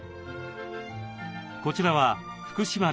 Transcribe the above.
こちらは福島旅行。